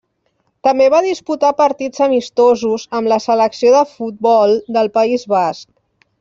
També va disputar partits amistosos amb la selecció de futbol del País Basc.